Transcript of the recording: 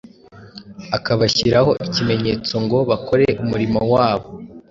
akabashyiraho ikimenyetso ngo bakore umurimo wabo.